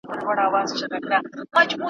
تاند او شین زرغون مي دی له دوی د زړګي کلی ,